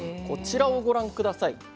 こちらをご覧下さい。